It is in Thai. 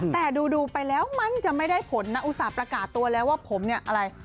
แต่ดูไปแล้วมันจะไม่ได้ผลนะอุตส่าห์ประกาศตัวแล้วว่าผมเนี่ยอะไร